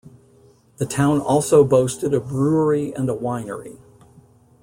The town also boasted a brewery and a winery.